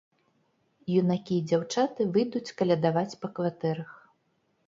Юнакі і дзяўчаты выйдуць калядаваць па кватэрах.